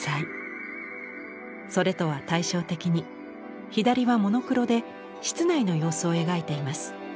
それとは対照的に左はモノクロで室内の様子を描いています。